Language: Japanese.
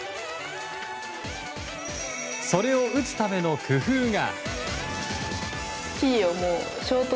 それを打つための工夫が。